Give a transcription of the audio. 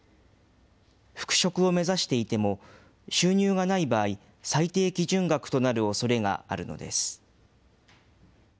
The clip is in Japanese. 復職を目指していても、収入がない場合、最低基準額となるおそれがあるのです。